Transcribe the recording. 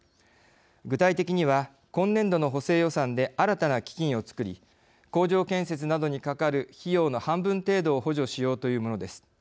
具体的には今年度の補正予算で新たな基金をつくり工場建設などにかかる費用の半分程度を補助しようというものです。